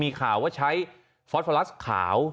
มีข่าวว่าใช้ฟอสฟอลัสขาว